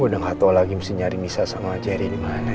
gue udah gak tau lagi mesti nyari misah sama sherry dimana ya